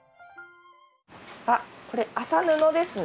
あこれ麻布ですね。